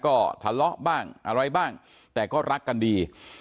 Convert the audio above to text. ก็ทะเลาะบ้างอะไรบ้างแต่ก็รักกันดี